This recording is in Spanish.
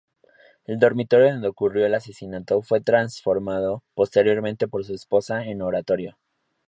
El dormitorio donde ocurrió el asesinato, fue transformado posteriormente por su esposa en oratorio.